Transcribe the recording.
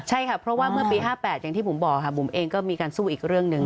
ใช่ค่ะเพราะว่าเมื่อปี๕๘อย่างที่บุ๋มบอกค่ะบุ๋มเองก็มีการสู้อีกเรื่องหนึ่ง